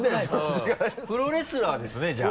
プロレスラーですねじゃあ。